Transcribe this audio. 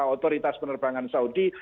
otoritas penerbangan saudi